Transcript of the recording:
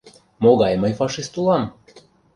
Могай мый фашист улам?